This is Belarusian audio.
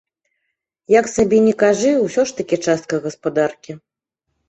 Як сабе ні кажы, усё ж такі частка гаспадаркі.